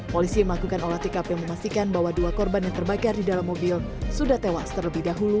polisi melakukan olah tkp memastikan bahwa dua korban yang terbakar di dalam mobil sudah tewas terlebih dahulu